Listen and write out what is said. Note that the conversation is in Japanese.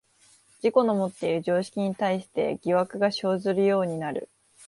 自己のもっている常識に対して疑惑が生ずるようになる。